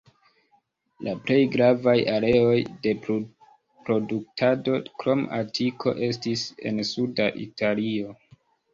La plej gravaj areoj de produktado, krom Atiko, estis en Suda Italio.